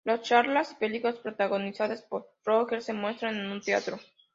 Las charlas y películas protagonizadas por Rogers se muestran en un teatro.